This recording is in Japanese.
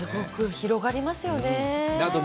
広がりますね。